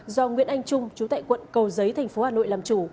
do nguyễn anh trung chú tại quận cầu giấy thành phố hà nội làm chủ